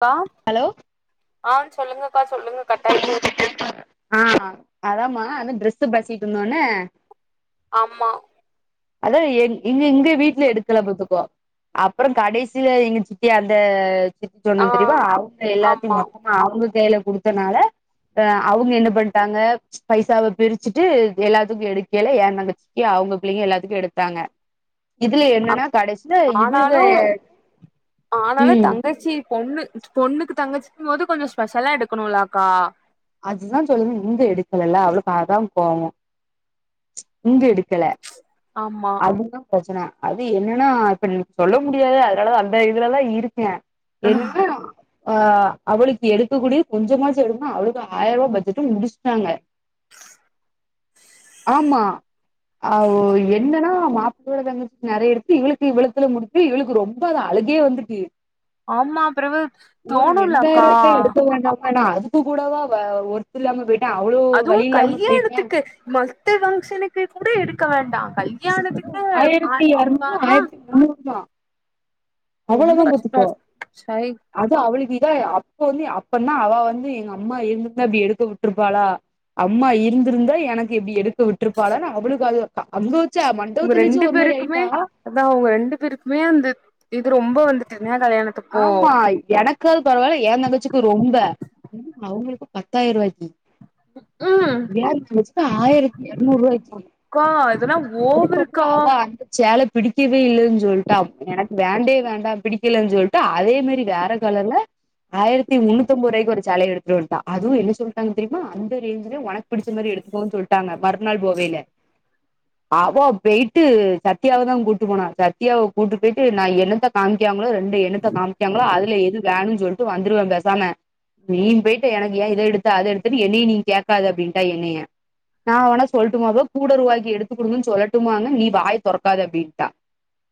க்கா ஹலோ ஆ சொல்லுங்கக்கா சொல்லுங்க கட் ஆய்ட்டு ஆ அதாமா அந்த ட்ரெஸ்ஸு பேசிட்ருந்தோனே ஆம்மா அதா எ இங்க எங்க வீட்ல எடுக்கல பாத்துக்கோ அப்றோ கடைசில எங்க சித்தி அந்த சித்தி ஆ சொன்ன தெரிமா அவுங்க எல்லாத்தையு ஆமா மொத்த நா அவுங்க கைல குடுத்தனால அ அவுங்க என்ன பண்ட்டாங்க பைசாவ பிரிச்சுட்டு எல்லாத்துக்கு எடுக்கேல எ தங்கச்சிக்கு அவுங்க பிள்ளைங்க எல்லா த்துக்கு எடுத்தாங்க இதுல என்னன்னா கடை ஆனாலு ஆனாலு ம் தங்கச்சி பொண்ணு பொண்ணுக்கு தங்கச்சிக்கும்போது கொஞ்சோ ஸ்பெஷலா எடுக்கணுலக்கா அதுதா சொல்லுது இங்க எடுக்கலல்ல அவ்ளுக்கு அதா கோவோ இங்க எடு க்கல ஆமா அதுதா ப்ரச்சன அது என்னன்னா இப்ப சொல்ல முடியாது அதனாலா தா அந்த இதுலலா இருக்கே என்னன்னா ஆ அவளுக்கு எடுக்கக்கூடிய கொஞ்சமாச்சு எடுனா அழுதா ஆயரூவா பட்ஜெட்டு முடிச்சுட்டாங்க ஆமா அவோ என்னன்னா மாப் பிள்ளயோட தங்கச்சிக்கு நறைய எடுத்து இவளுக்கு இவ்ளத்துல முடித்து இவளுக்கு ரொம்ப அது அழுகயே வந்துட்டு ஆமா பிறவு ஒரு தோணும்லக்கா ரெண்டாயிரூவாய்க்கலா எடுத்தோ வேண்டாமானா அ துக்கூடவா வ ஒர்த்தில்லாம போயிட்டே அவ்ளோ அதுவு வழி இல்லாம போய்ட்டே கல்யாணத்துக்கு மத்த பங்க்ஷனுக்கு கூட எடுக்க வேண்டா கல் சும்மா ஆயிரத்தி எரநூறு ஆயிரத்தி முண்ணூறு தா ரொம்ப அவ்ளோதா கஷ்டோ பாத்துக்கோ சை அதா அவளுக்கு இதா அப்ப வந்து அப்பனா அவ வந்து எங்கம்மா இருந்திருந்தா இப்டி எடுக்க விட்ருப்பாளா அம்மா இருந்திருந்தா எனக்கு இப்டி எடு க்க விட்ருப்பாளான் அவளுக்கு அது அங்க வச்சே உங்க மண்டபத்துல வச்சே ரெண்டு ஒருமார் பேருக்குமே ஆயிட்டா அதா அவுங்க ரெண்டு பேருக்குமே அந்த இது ரொம்ப வந்துட்டுன்னே கல்யாணோ ஆமா எனக்காது பரவால்ல எ தங்கச்சிக்கு ரொம்ப ஏனா அவுங்களுக்கு பத்தாய்ரூவாய்க்கி ம் எ தங்கச்சிக்கி ஆயிரத்தி எரநூரூவாய்க்கி அக்கா இதெல்லா ஓவருக்கா அதுக்கப்றோஅவ அந்த சேல பிடிக்கவே இல்லன் சொல்ட்டா எனக்கு வேண்டவே வேண்டா பிடிக்கலன் சொல் ட்டு அதே மாரி வேற கலர்ல ஆயிரத்தி முன்னூத்தம்போதுரூவாய்க்கி ஒரு சேலய எடுத்துட்டு வன்ட்டா அதுவு என்ன சொல்ட்டாங்க தெரிமா அ ந்த ரேஞ்சுல ஒனக்கு புடிச்ச மாரி எடுத்துக்கோன் சொல்ட்டாங்க மற்நாள் போவைல அவ போய்ட்டு சத்யாவ தா கூட்டு போனா சத்யாவ கூட்டு போய்ட்டு நா என்னத்த காம்ய்க்காங்ளோ ரெண்டு என்னத்த காம்ய்க்காங்ளோ அதுல எது வேணுன் சொல்ட்டு வந்துருவே பேசாம நீன் போய்ட்டு எனக்கு ஏ இத எடுத்த அத எடுத்தன் என்னிய நீ கேக்காத அப்டின்ட்டா என்னய நா வேணா சொல்ட்டுமாபா கூடரூவாய்க்கி எடுத்து குடுங்கன் சொல்லட்டுமானே நீ வாய தொறக்காத அப்டின்ட்டா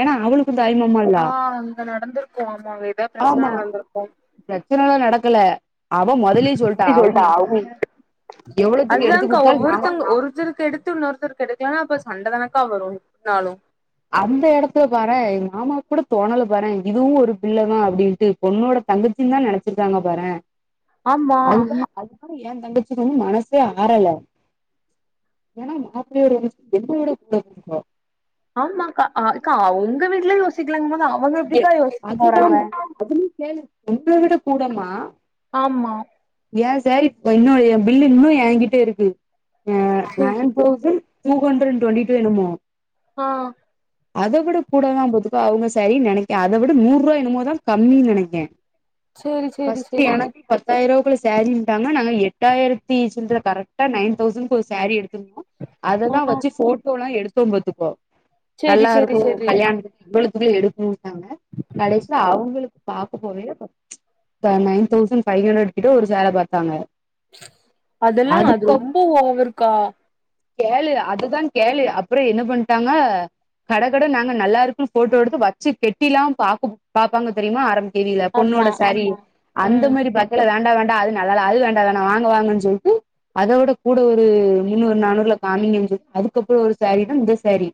ஏனா அவுளு க்கு தாய்மாமா ஆ அங்க நடந்துருக்கு ஆமா அங்க எதா பிரச்சன நடந்துருக்கு பிரச்சனைல்லா நடக்கல அவ மொதல்லயே சொல்ட்டா அவங்க அது எவ்வளவுத்துக்கு தா எடுத்து கா குடுத்தாலு நா ஒவ்வொருத்தோங்க ஒருத்தருக்கு எடு த்து இன்னொருத்தரு எடுக்கலனா அப்ப சண்ட தானக்கா வரு எப்டினாலு அந்த எடத்துல பாறே எங்மாமா கூட தோணல பாறே இதுவு ஒரு பிள்ள தா அப்டின்ட்டு பொண்ணோட தங்கச்சின் தா நெனச்சிருக்காங்க பாறே ஆமா அது தா அது பாரு எ தங்கச்சிக்கு வந்து மனசே ஆறல ஏன்னா மாப்பிள்ளயோட தங்கச்சிக்கி என்னவிட கூட [unintelligible] ஆமாக்கா அ அக்கா உங்க வீட்ல யோசிக்கலங்க போது அ டே அதுதான் டா அது கேளு நம்மள விட கூடமா ஆமா ஏன் சாரி என்னொ என் பில்லு இன்னும் ஏங்கிட்டே இருக்கு எ நான் தௌசண்ட்டூ ஹண்ட்ரட் டுவெண்டி டூ வேணுமோ ஆ அத விட கூடதான் போத்துக்கோ அவுங்க சரி நினைக்கேன் அத விட நூறூபா என்னமோதான் கம்மின்னு நினைக்கேன் சேரி சேரி பஸ்ட்டு சேரி எனக்கு பஸ் பத்தாயிருக்குள்ள சாரி இருந்தாங்கன்னா நாங்க எட்டாயிரத்தி சில்ர கரெக்டா நைன் தௌசண்ட் ஒரு சாரீ எடு த்தினோ ஆ அததான் வச்சு போட்டோ எல்லாம் எடுத்தோ பாத்துக்கோ சேரி நல்லா சேரி இருக்கும் சேரி கல்யாணத்துக்கு இவளுக்குமே எடுக்கணும்ட்டாங்க கடைசில அவங்களுக்கு பார்க்க போவேலே பத் ப நைன் தௌசண்ட் பஃபைவ் ஹண்டரட் கிட்ட ஒரு சேல பார்த்தாங்க அதெல்லாம் அது ரொம்ப ஓவர இருக்கா கேளு அதுதான் கேளு அப்பறோ என்ன பண்ட்டாங்க கடகடனு நாங்க நல்லாருக்குக்கும் போட்டோ எடுத்து வச்சி கெட்டில்லாம் பாக்கும் பாப்பாங்க தெரியுமா ஆ தெரில ஆமா பொண்ணோட சாரி ஆமா அந்த ம் மாரி பட் டு இல்ல வேண்டா வேண்டா அது நல்லால்ல அது வேண்டாம வேண்டா வாங்க வாங்கன்னு சொல்ட்டு அத விட கூட ஒரு முன்னூறு நானூறுல காமிங்க சொல் அதுக்கப்பறோ ஒரு சாரீ தான் இந்த சாரீ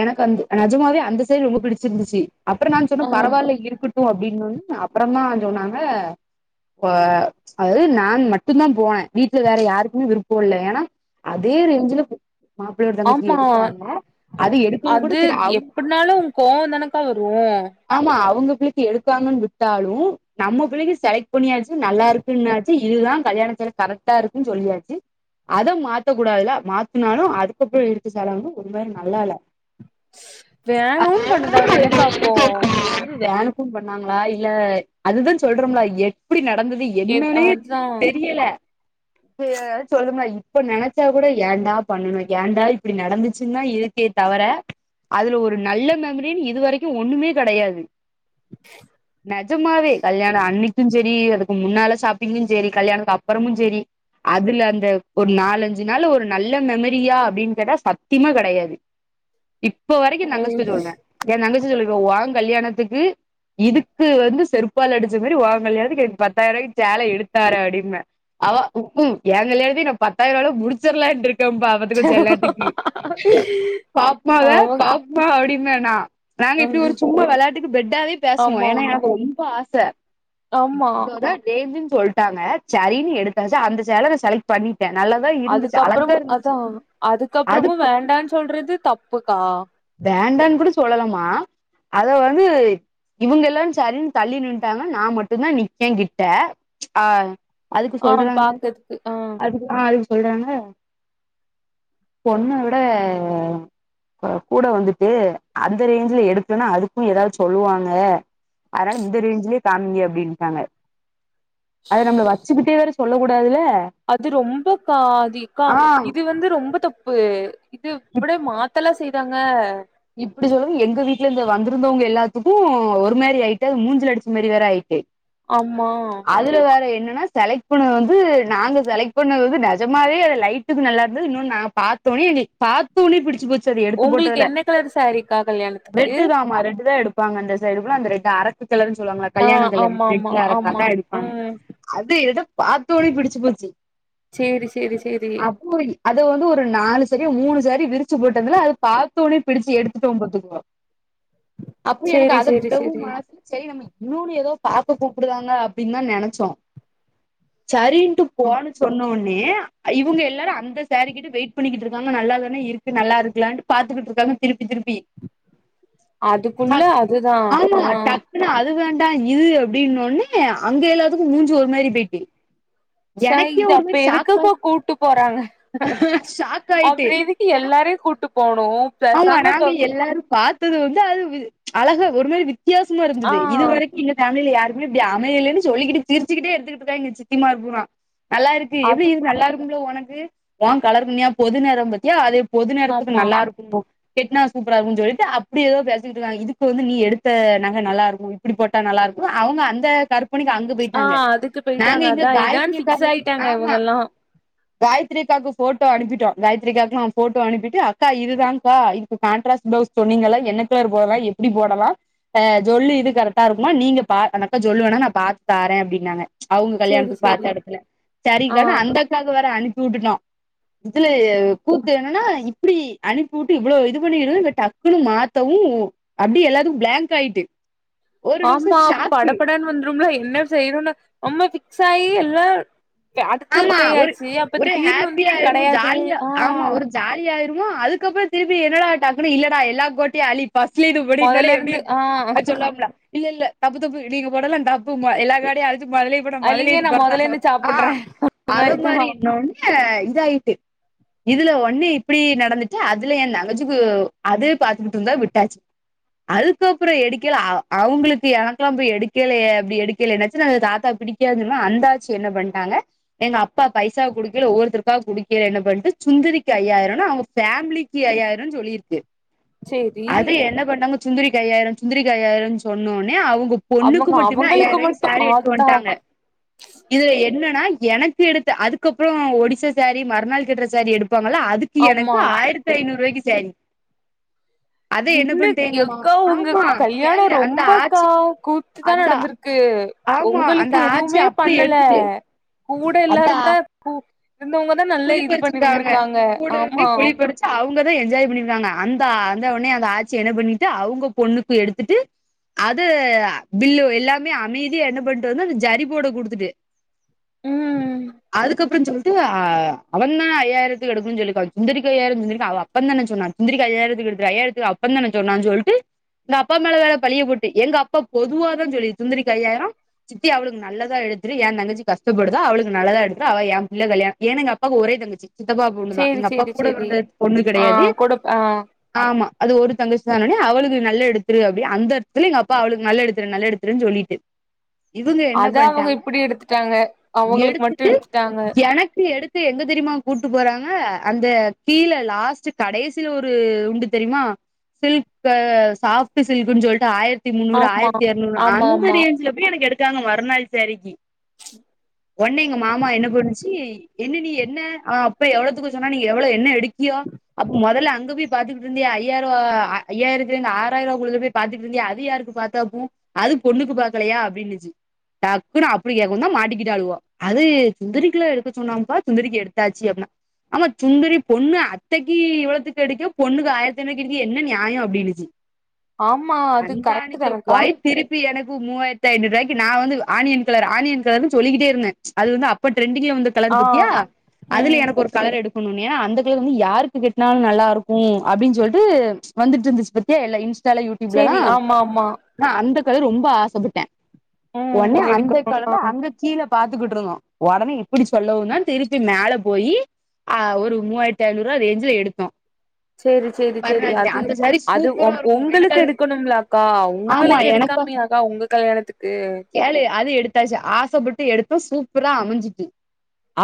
எனக்கு அந்த நஜமாவே அந்த சைடு ரொம்ப பிடிச்சிருந்துச்சு அப்புறம் நான் ஆ சொன்ன பரவாயில்ல இருக்குட் டும் அப்டின்னுன்னே அப்பறம் தான் சொன்னாங்க ஒ அ அதாவது நான் மட்டும் தான் போனே வீட்ல வேற யாருக்குமே விருப்போ இல்ல ஏன்னா அதே ரேஞ்சுல உ மாப்பள்ளோட தங்கச்சி ஆமா எடுத்தாங்க அது எடுத்தது கூட அது சரி அவங்க எப்டினாலும் கோவோ தானக்கா வரு ஆமா அவுங்க பிள்டி எடுத்தாங்கன்னு விட்டாலும் நம்ம புள்ளைக்கு செலக்ட் பண்ணியாச்சு நல்லா இருக்குன்னாச்சு இதுதான் கல்யாண சேல கரெக்டா இருக்குன்னு சொல்லியாச்சு அத மாத்த கூடாதுல்ல மாத்துனாலும் அதுக்கப்பறோ எடுத்த செலவும் ஒரு மாரி நல்லா இல்ல அது வேணுன்னு வேன்னும் பண்ணுதாங்க எனக்கு வந்துட்டாங்க இத அப்போ காட்ட வானும் ஃபோன் பண்ணாங்களா இல்ல அதுதான் சொல்றோம்ங்களா எப்டி நடந்தது எது என்னன்னே அதா தெரியல எ அ சொல்லுங்க இப்ப நினைச்சா கூட ஏண்டா பண்ணணும் ஏண்டா இப்டி நடந்துச்சுன்னா இரு க்குதே தவற அதுல ஒரு நல்ல மெமரின்னு இது வரைக்கும் ஒண்ணுமே கெடையாது நஜமாவே கல்யாண அன்னி க்கும் சேரி அதுக்கு முன்னால சாப்பிங்கும் சேரி கல்யாணக்கு அப்பறமும் சேரி அதுல அந்த ஒரு நாலஞ்சு நாள்ல ஒரு நல்ல மெமரியா அப்டின் கேட்டா சத்தியமா கெடையாது இப்ப வரைக்கும் தங்கஸ்ட சொல்வேன் ஏன் தங்கஸ்ட சொல்லிக்குவ உ கல்யாணத்துக்கு இதுக்கு வந்து செருப்பால அடிச்ச மேரி உன் கல்யாணத்துக்கு எனக் பத்தாயிரம் ரூபாய்க்கு சேல எடுத்தர அப்டின்ன அவ உக்கும் என் கல்யாணத்துக்கு ந பத்தாயிர அளவு முடிச்சிறலாம்ன்டு இருக்கேன் பாவ இருக்கும் ஜல்லாட்டிக்கு பாப்மாவ அவ பாப்மா அப்டின்னனா நாங்க இப்டி ஒரு சும்மா விளையாட்டுக்கு பெட்டாவே பேசுவோம் ஆமா ஏன்னா ஆமா எனக்கு ரொம்ப ஆச ஆமா இவ்ளோதான் ரேஞ்ன்னு சொல்ட்டாங்க சரின்னு எடுத்தாச்சு அந்த சேல நான் செலக்ட் பண்ணிட்டேன் நல்லதான் இரு அதுக்கப்புறம் அதான் அதுக்கப்புறமும் அதுக்கு வேண்டான்னு சொல்றது தப்புக்கா வேண்டான்னு கூட சொல்லலமா அத வந்து இவுங்க எல்லாரும் சரின்னு தள்ளி நின்ட்டாங்க நான் மட்டும் தான் நிக்கேன் கிட்ட ஆ அதுக்கு ஆ சொல்றாங்க பாக்கறதுக்கு ஆ அதுக்கு ஆ அதுக்கு சொல்றாங்க பொண்ண விட அ கூட வந்துட்டு அந்த ரேஞ்சுல எடுக்கலனா அதுக்கு எதாச் சொல்லுவாங்க அதுனால இந்த ரேஞ்சுலே காமிங்க அப்டின்ட்டாங்க அத நம்மள வச்சுக்கிட்டே வேற சொல்ல கூடாதுல்ல அது ரொம்பக்கா அது இக்கா இது வந்து ரொம்ப தப்பு இது இப்டே மாத்தல்லா செய்தாங்க இப்பிடி சொல்லவு எங்க வீட்லர்ந்து வந்திருந்தவுங்க எல்லாத்துக்கு ஒரு மாரி ஆய்ட்டு அது மூஞ்சில அடிச்ச மாரி வேற ஆய்ட்டு ஆமா அதுல வேற என்னன்னா செலக்ட் பண்ணது வந்து நாங்க செலக்ட் பண்ணது வந்து நெஜமாவே அது லைட்டுக்கு நல்லாருந்தது இன்னோன் நா பாத்தோன்னே எங்ளுக் பாத்தோன்னே பிடிச்சு போச் ஒங்களுக் என்ன கலர் சாரிக்கா கல்யாண ரெட்டு தான்மா ரெட்டு தா எடுப்பாங்க அந்த சைடு ஃபுல்லா அந்த ரெட்டு அரக்கு கலருன் சொல்லுவாங்கல்ல ஆ கல்யாண ஆமா [unintelligible] ஆமா ரெட்ல ஆமா அரக்காத்தா எடுப்பாங்க ம் அப்டே எதோ பாத்தோன்னே பிடிச்சு போச்சி சேரி சேரி சேரி அப்போயி அது வந்து ஒரு நாலு சாரியோ, மூணு சாரியோ விரிச்சு போட்டதுல அது பாத்தோன்னே பிடிச்சு எடுத்துட்டோ பாத்துக்கோ அப்பவு எனக்கு சேரி அத சேரி விடவு சேரி மனசு சேரி நம்ளுக் இன்னோன் எதோ பாக்க கூப்புடுறாங்க அப்டின் தா நெனச்சோ சரின்ட்டு ஆ போன்னு சொன்னோன் னே இவுங்க எல்லாரு அந்த சாரி கிட்ட வெயிட் பண்ணிக்கிட்ருக்காங்க நல்லா தான இருக்கு நல்லா இருக்குலன்ட்டு பாத்துக்கிட்ருக்காங்க திருப்பி திருப்பி அதுக்குள்ள அதுதா ஆ பின்ன அது வேண்டா இது அப்டின்னோன்னே அங்க எல்லாத்துக்கு மூஞ்சி ஒரு மாரி போய்ட்டு ச இந்த அப்ப எதுக்குக்கா கூப்ட்டு போறாங்க ஷாக் ஆயிட்டு அப்றோ எதுக் ஏன்னா எல்லாரயு கூப்ட்டு போணு ஆமா பேசாம இப்ப நாங்க எல்லாரு பாத்தது வந்து அது வி அழகா ஒரு மாரி வித்தியாசமா ஆ இருந்துது இது வரைக் எங்க ஃபேம்லில யாருக்குமே இப்டி அமையலன் சொல்லிகிட்டு சிரிச்சுகிட்டே எடுத்துக்கிட்ருக்காங் எங்க சித்தி மார் பூரா நல்லாருக்கு எப்டி அது இது நல்லாருக்கும் புள்ள ஒனக்கு ஓ கலருக்கு ஞா பொது நெற பாத்தியா அதே பொது நெறத்துக்கு ஆமா நல்லாருக்குன்னோ கெட்னா சூப்பரா இருக்குன் சொல்லிட்டு அப்பிடி எதோ பேசிகிட்ருக்காய்ங் இதுக்கு வந்து நீ எடுத்த நக நல்லாருக்கு இப்டி போட்டா நல்லாருக்கு அவுங்க அந்த கரு [unintelligible] அங்க ஆ போய்ட்டாங்க அதுக்கு நாங்க போயிட்டாங்க இங்க அதா இதான் காயத்ரி ஃபிக்ஸ் அக்காக்கு ஆயிட்டாங்க ஆமா இவங்கல்லா காயத்ரி அக்காக்கு ஃபோட்டோ அனுப்பிட்டோ காயத்ரி அக்காக்லா ஃபோட்டோ அனுப்பிட்டு அக்கா இது தாங்க்கா இதுக்கு கான்ட்ரஸ்ட் பிளவுஸ் சொன்னீங்கல்ல என்ன கலர் போடலா எப்பிடி போடலா ஆ ஜொல் இது கரக்ட்டா இருக்குமா நீங்க பா அந்தக்கா ஜொல் வேணா நா பாத்து தாரே அப்டின்னாங்க அவுங் சேரி கல்யாணத்துக் சேரி பாத்த எடத்துல ஆ செரிங்க்கான்னு அந்த அக்காக்கு வேற அனுப்பி உட்டுட்டோ இதுல கூத்து என்னன்னா இப்டி அனுப்பி உட்டு இவ்ளோ இது பண்ணீரு இங்க டக்குன்னு மாத்தவு அப்டியே எல்லாத்துக்கு ப்ளாங்க் ஆய்ட்டு ஆமா படபடன் வந்துரும்ல என்ன செய்றோனு நம்ம ஃபிக்ஸ் ஆயி எல்லா அடுத்து ஆமா ஒரு பேயாச்சு அப்ப ஒரு திடீர்னு வந்து இது கடையாது ஆ ஜாலியாயிருந்தோ அதுக்கப்றோ திருப்பி என்னடா டக்குனு இல்லடா எல்லா கோட்டயு அழி ஃபஸ்ட்ல இது மொதல்ல [unintelligible] எப்டி இருந்து இருக்கு ஆ அத சொல்லாம்ல இல்ல இல்ல தப்பு தப்பு நீங்க போட்டத்லா தப்பு மொ எல்லா கோட்டயு அழிச்சு மொதல்லே போட்டா மொதலே அல்லிங்க இது நா பொரட்டா மொதல்ல இருந்து சோக்கு ஆ சாப்புட்றே அந்த அத மாரிதா மாரி இன்னோன்னு இதாய்ட்டு இதுல ஒன்னு இப்டி நடந்துச்சா அதுல எ தங்கச்சிக்கு அது பாத்துக்கிட்ருந்தத விட்டாச்சு அதுக்கப்றோ எடுக்கைல அ அவுங்களுக்கு எனக்குல்லா போய் எடுக்கைலயே அப்டி எடுக்கைல என்னாச்சு நாங்க தாத்தாக் பிடி கேதுன்னா அந்தாச்சு என்ன பண்ட்டாங்க எங்க அப்பா பைசா குடுக்கல ஒவ்வருத்தருக்கா குடுக்கல என்ன பண்ட்டு சுந்தரிக்கு ஐயாயிரம்னு அவங்க ஃபேம்லி கி ஐயாயிர சொல்லி இருக் சேரி அது என்ன பண்ணாங்க சுந்தரிக் ஐயாயிர சுந்தரிக் ஐயாயிரனு சொன்னோனே அவங்க பொண்ணுக்கு அவங்க மட்டுமே அவங்களுக்கு ஐயாயிருபாய்கு மட்டு சாரீ எடுத்து ஆத்தா வந்ட்டாங்க இதுல என்னன்னா எனக்கு எடுத்த அதுக்கப்பற ஒடிசா சாரி மறுநாள் கட்டுற சாரி எடுப்பாங்கள அதுக் எனக்கு ஆமா ஆயிரத்தி ஐநூறுவாய்க்கு சாரீ அத என்ன பண்ட்டேங்கம்மா எக்கா உங்க ஆமா கல்யாண கேளு அந்த ரொம்பக்கா ஆச்சி கூத்துதா அந்த நடந்திருக் க்கு ஆமா அந்த உங்களுக்கு ஆச்சி எதுவுமே அப்டி பண்ணல எடுத்துட்டு கூட அதா எல்லாருதா கூ இருந்தவங்கதா நல்லா குழி இது பறிச்சிருக்காங்க பண்ணிருந்திருக்காங்க கூட இருந்து ஆமா குழி பறிச்சு அவங்கதா என்ஜாய் பண்ணிருக்காங்க அந்த அந்த உனே அந்த ஆச்சி என்ன பண்ணிட்டு அவங்க பொண்ணுக்கு எடுத்துட்டு அது பில்லு எல்லாமே அமை என்ன பண்ணிட்டு வந்த அந்த ஜரி போட குடுத்துட்டு ம் அதுக்கப்பற சொல் ட்டு அவன்தா ஐயாயிருக்கு எடுக்குன் சொல்லி சுந்தரிக்கு ஐயாயிர அவன் அப்ப தான சொன்னா சுந்தரிக் ஐயாயிரத்துக் எடுத்துரு ஐயாயிரத்துக்கு அப்பதான சொன்னான் சொல்ட்டு எங்க அப்பா மேல வேற பழிய போட்டு எங்க அப்பா பொதுவாதா சொல்லி சுந்தரிக் ஐயாயிர சித்தி அவளுக்கு நல்லதா எடுத்துரு என் தங்கச்சி கஷ்டப்படுதா அவளுக்கு நல்லதா எடுத்துரு அவ என் பிள்ள கல்யாண ஏ எங்க அப்பாக்கு ஒரே தங்கச்சி சித்தப்பா பொண்ணுதா சேரி எங்க அப்பா சேரி கூட சேரி பொறந்த பொண்ணு ஆ கெடையாது குடுப் ஆ ஆமா அது ஒரு தங்கச்சி தானனு அவளுக்கு நல்ல எடுத்துரு அப்டி அந்த அர்தத்துல எங்க அப்பா அவளுக்கு நல்ல எடுத்துரு நல்ல எடுத்துருன் சொல்லிட்டு இவங்க என்ன அதா அவங்க பண்டாங்க இப்டி எடுத்துட்டாங்க அவங்களுக்கு மட்டு எடுத்துட்டு எடுத்துட்டாங்க எனக்கு எடுத் எங்க தெரியுமா கூட்டு போறாங்க அந்த கீழ லாஸ்ட் கடைசில ஒரு உண்டு தெரியுமா சில்க சாஃப்ட் சில்க்ன்னு சொல்ட்டு ஆயிரத்தி முன்னூறு ஆமா ஆயிரத்தி இரநூறு ஆமா அந்த ஆமா ரேஞ் ப்ப எனக்கு எடுக்காங்க மறுநாள் சாரிக்கு ஒன்னு எங்க மாமா என்ன பண்ணுச்சி என்ன நீ என்ன அவ அப்ப எவ்வளத்துக்கு சொன்னா நீங்க எவ்ள என்ன எடுக்கியா அப்ப மொதல்ல அங்க போய் பாத்துட்டு இருந்தியே ஐயாயிரோ ஐயாயிரத்துல இருந்து ஆறாயிருவாக்குள்ளத போய் பாத்துட்டு இருந்தியே அது யாருக்கு பாத்தப்போ அது பொண்ணுக்கு பாக்கலையா அப்படின்னுச்சு டக்குன்னு அப்படி கேக்கவுதா மாட்டிக்கிட்டாலுவ அது சுந்தரிக்குல எடுக்க சொன்னாம்ப்பா சுந்தரிக்கு எடுத்தாச்சு அப்படினா ஆமா சுந்தரி பொண்ணு அத்தைக்கு இவ்வளதிக்கு எடுக்குற பொண்ணுக்கு ஆயிரத்து ஐநூறுவாய்க்கு எடுக்குறீக என்ன நியாயோ அப்டின்னுச்சு ஆமா அது அந்தா கரெக்ட் அனுப்பி தானக்கா வாய்ப்பு இருக்கு எனக் மூவாயிரத்து ஐனூறுவாய்க்கு நா வந்து ஆனியன் கலர் ஆனியன் கலர்னு சொல்லிக்கிட்டே இருந்த அது வந்து அப்ப டிரெண்டிங்ல வந்து கலர் ஆ பத்தியா அதுல ம் எனக்கு ஒரு கலர் எடுக்கணுமே அந்த கலர் வந்து யாருக்கு கட்னாலு நல்லாருக்கு அப்படின் சொல்ட்டு வந்துட்டு இருந்துச்சு பத்தியா எல்லா இன்ஸ்டால யூடியூப்லல்லா சேரி ஆமா ஆமா நா அந்த கலர் ரொம்ப ஆசப்பட்ட ம் ஒன்னே அந்த எடுக்கணு கலர்ல ஆ அந்தக் கீழ பாத்துக்கிட்டு இருந்தோ உடனே இப்டி சொல்லவுதா திருப்பி மேல போயி ஆ ஒரு மூவாயிரத்திஐநூறுவா ரேஞ்ச்ல எடுத்தோ செரி செரி செரி அது சாரி அது சூப்பரா இருக்கும் எனக்கு உங்களுக்கு அது எடுக்கணும்லாக்கா ஆமா உங்களுக்கு எனக்கு எடுக்காமையா உங்க கல்யாணத்துக்கு கேளு அது எடுத்தாச்சு ஆசைப்பட்டு எடுத்த சூப்பரா அமைஞ்சுட்டு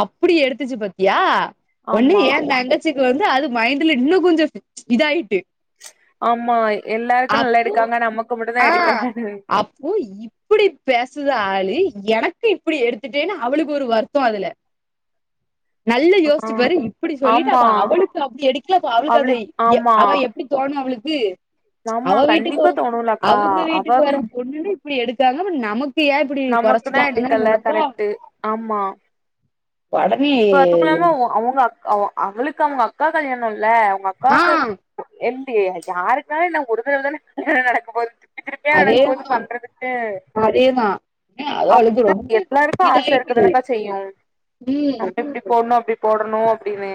அப்படி எடுத்துச்சு பாத்தியா ஒன்னு ஆமா ஏ தங்கச்சிக்கு வந்து அது மைண்ட்ல இன்னு கொஞ்சோ இதாயிட்டு ஆமா எல்லாருக்கு நல்லா அப்போ எடுக்காங்க நமக்கு மட்டு தா ஆ எடுக்கல அப்போ இப் இப்டி பேசுற ஆளு எனக்கு இப்டி எடுத்துட்டேன்னு அவளுக்கு ஒரு வருத்தோ அதுல [inaudible] நல்ல ஆ யோசிச்சு பாரு இப்டி சொல்லிட்டு ஆமா அப்ப அவளுக்கு அப்டி எடுக்கலப்ப அவளுக்கு அது அவளுக் எ ஆமா அவ எப் டி தோணு அவளுக்கு ஆமா அவ வீட்டுக்கு கண்டிப்பா தோணுலக்கா அவுங்க அவ வீட்டுக்கு வர வி ஒண்ணுமே இப்டி எடுத்தானு நமக்கு ஏன் இப்படி நமக்குனா குறைச்சிட்டாங்கன்னு தான் எடுக்கல நினைப்பா கரெக்ட்டு ஆமா உடனே இப்ப துக்குனாமு அவுங்க அக் அவோ அவளுக்கு அவுங்க அக்கா கல்யானோல அவுங்க அக்காக்கு ஆஹ் ஏ தெ யாருக்குவது நா கொடுக்கல தானே கல்யானோ நடக்க போது திருப்பி திருப்பியா அதே நடக்க போது தா பண்றதுக்கு அதே தா அப் [unintelligible] எல்லாருக்கு ஆச இருக்க தானக்கா செய்யு உம் நம்ம இப்டி போட்ணு அப்டி போடணு அப்டின்னு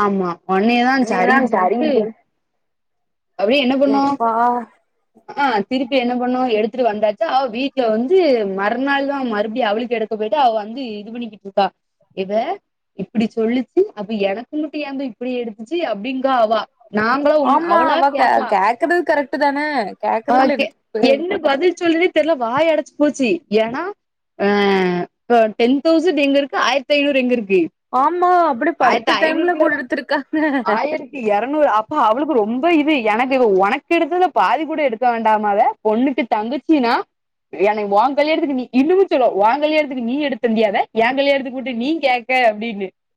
ஆமா உன்னேதா நீலா ஜரி சொல்லிட்டு சரிங்க அப்டியே என்ன பண்னோ எப்பா ஹக்கா திருப்பி என்ன பண்னோ எடுத்துட்டு வந்தாச்சா அவ வீட்டுல வந்து மறுநாள் தா மறுபடியு அவளுக்கு எடுத் இப்ப போயிட்டு அவ வந்து இது பண்ணிக்கிட்டு இருக்கா இவ இப்டி சொல்லிச்சு அப்ப எனக்கு மட்டு ஏந்த இப்டி எடுத்துச்சு அப்டிங்றா அவ நாங்களு ஒண்ணு அவளா கேக்கா கேக்கேறது கரெக்ட் தானே கேக்கேறதுல என்ன தப்பு ட்போ பதில் சொல்டறதே தெர்ல வாய் அடைச்சு போச்சு ஏன்னா ஆ இப்போ டென் தௌசண் எங்க இருக்கு ஆயிரத்து ஐநூறு எங்க இருக்கு ஆமா அப்டி பத்து ஆயிரத்தி டைம்ல கூட எடுத்துருக்காங்க இரநூறு அப்ப அவளுக்கு ரொம் ப இது எனக்கு ஒனக்கு எடுத்ததுல பாதி கூட எடுக்க வேண்டாமாவத பொண்ணுக்கு தங்கச்சி நா என்னைய ஓங் கல்யாணத்துக்கு நீ இன்னமு சொல்லு ஓங் கல்யாணத்துக்கு நீ எடுத்துதந்தியா அத ஏ கல்யாணத்துக்கு மட்டு நீ கே க அப்டின்னுசு